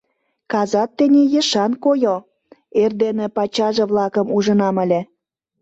— Казат тений ешан, койо, — эрдене пачаже-влакым ужынам ыле.